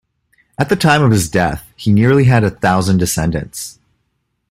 At the time of his death, he had nearly a thousand descendants.